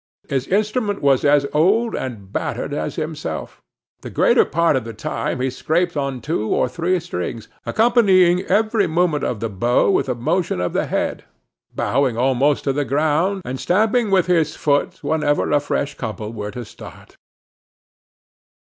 His instrument was as old and battered as himself. The greater part of the time he scraped on two or three strings, accompanying every movement of the bow with a motion of the head; bowing almost to the ground, and stamping with his foot whenever a fresh couple were to start.